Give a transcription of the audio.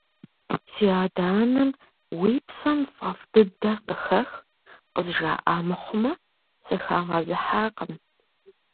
Си адэ-анэм «уи псэм фӀэфӀ дыдэр къыхэх» къызжаӀа мыхъумэ, сыхагъэзыхьакъым.